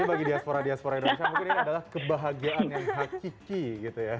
tapi bagi diaspora diaspora indonesia mungkin ini adalah kebahagiaan yang hakiki gitu ya